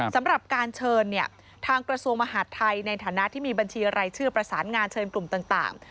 สำหรับการเชิญเนี่ยทางกระทรวงมหาดไทยในฐานะที่มีบัญชีรายชื่อประสานงานเชิญกลุ่มต่าง